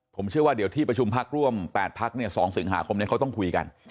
ผมเชื่อว่าเดี๋ยวที่ประชุมพักร่วม๘พัก๒สิงหาคมเขาต้องคุยกัน